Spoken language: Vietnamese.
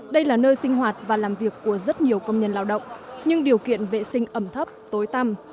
đây là nơi sinh hoạt và làm việc của rất nhiều công nhân lao động nhưng điều kiện vệ sinh ẩm thấp tối tăm